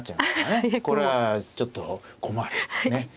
これはちょっと困るんですね。